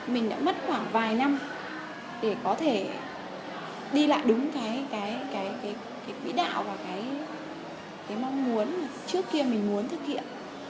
mình đã mất khoảng vài năm để có thể đi lại đúng cái quỹ đạo và cái mong muốn trước kia mình muốn thực hiện